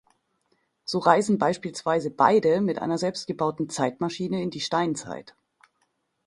So reisen beispielsweise beide mit einer selbstgebauten Zeitmaschine in die Steinzeit.